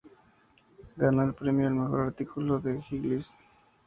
Ganó el premio al mejor artículo de "Highlights".